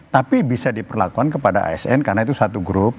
tapi bisa diperlakukan kepada asn karena itu satu grup